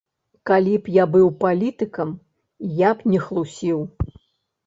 Калі б я быў палітыкам, я б не хлусіў.